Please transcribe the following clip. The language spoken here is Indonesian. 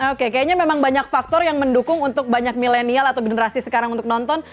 oke kayaknya memang banyak faktor yang mendukung untuk banyak milenial atau generasi sekarang untuk nonton